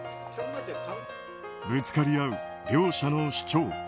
ぶつかり合う両者の主張。